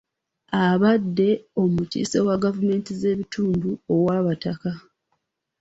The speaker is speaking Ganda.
Abadde omukiise wa gavumenti z'ebitundu ow'abataka.